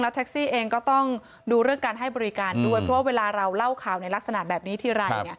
แท็กซี่เองก็ต้องดูเรื่องการให้บริการด้วยเพราะว่าเวลาเราเล่าข่าวในลักษณะแบบนี้ทีไร